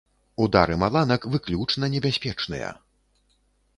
Удары маланак выключна небяспечныя.